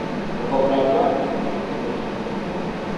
Olupapula luwandiikeko ebikuweereddwa.